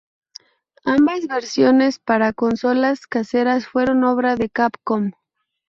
Ambas versiones para consolas caseras fueron obra de Capcom.